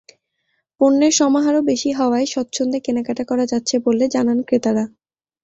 পণ্যের সমাহারও বেশি হওয়ায় স্বচ্ছন্দে কেনাকাটা করা যাচ্ছে বলে জানান ক্রেতারা।